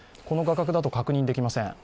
この画角だと確認できません。